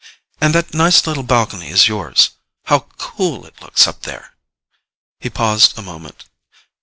"And that nice little balcony is yours? How cool it looks up there!" He paused a moment.